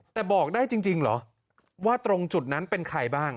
แต่บอกได้จริงเหรอว่าตรงจุดนั้นเป็นใครบ้าง